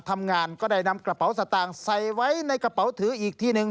ทำงานก็ได้นำกระเป๋าสตางค์ใส่ไว้ในกระเป๋าถืออีกทีหนึ่ง